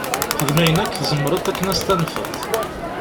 Xdem ayen akk tzemreḍ akken ad s-tanfeḍ.